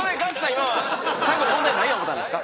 今は最後問題は何や思ったんですか？